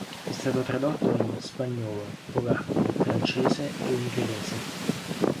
È stato tradotto in spagnolo, polacco, francese e ungherese.